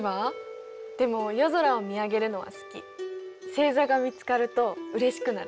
星座が見つかるとうれしくなる。